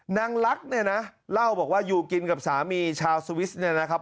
นางลักษณ์เนี่ยนะเล่าบอกว่าอยู่กินกับสามีชาวสวิสเนี่ยนะครับ